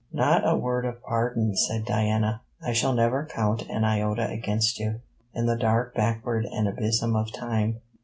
'Not a word of pardon,' said Diana. 'I shall never count an iota against you "in the dark backward and abysm of Time."